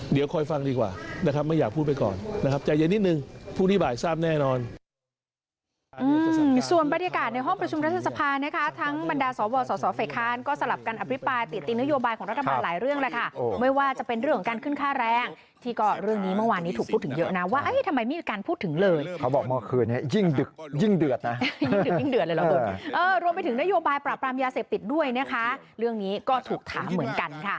เดี๋ยวคอยฟังดีกว่านะครับไม่อยากพูดไปก่อนนะครับใจเย็นนิดนึงพรุ่งนี้บ่ายทราบแน่นอน